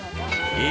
え！？